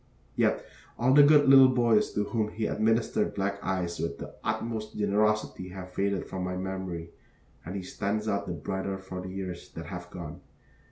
Yet all the good little boys to whom he administered black eyes with the utmost generosity have faded from my memory and he stands out the brighter for the years that have gone.